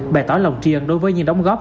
bày tỏ lòng tri ân đối với những đóng góp